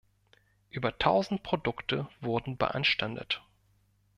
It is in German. Über tausend Produkte wurden beanstandet.